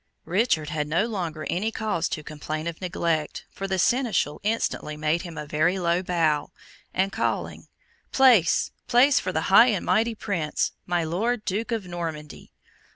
Richard had no longer any cause to complain of neglect, for the Seneschal instantly made him a very low bow, and calling "Place place for the high and mighty Prince, my Lord Duke of Normandy!"